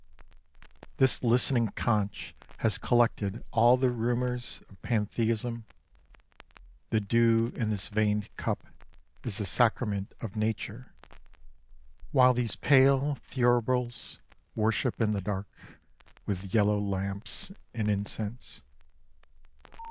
This listening conch has collected all the rumours of pantheism ; the dew in this veined cup is the sacrament of nature, while these pale thuribles worship in the dark with yellow lamps and incense.